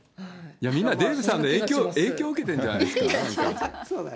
いや、みんな、デーブさんに影響受けてるんじゃないですか。